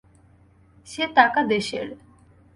সে টাকা দেশের।